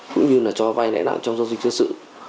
cũng như là cho vay lẽ nặng trong doanh dịch chức sự